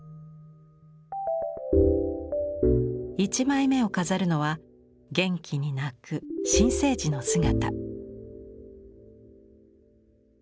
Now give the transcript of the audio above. １枚目を飾るのは元気に泣く新生児の姿。